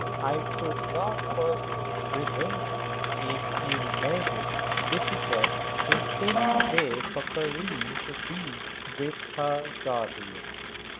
I could not forgive Gregory if he made it difficult in any way for Karen to be with her guardian."